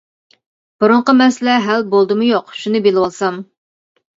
بۇرۇنقى مەسىلە ھەل بولدىمۇ يوق شۇنى بىلىۋالسام.